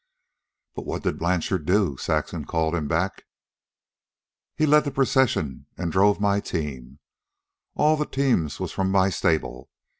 "But what did Blanchard do?" Saxon called him back. "He led the procession, an' he drove my team. All the teams was from my stable.